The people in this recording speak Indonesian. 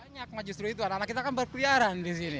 banyak justru itu anak anak kita kan berkeliaran di sini